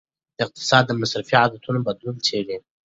اقتصاد د مصرفي عادتونو بدلون څیړي.